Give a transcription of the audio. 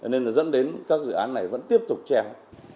nên dẫn đến các dự án này vẫn tiếp tục treo